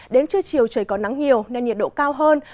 đến trưa chiều trời có nắng nhiều nên nhiệt độ cao hơn